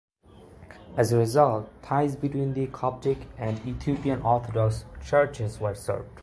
As a result, ties between the Coptic and Ethiopian Orthodox Churches were severed.